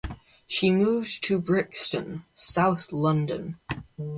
She moved to Brixton, South London.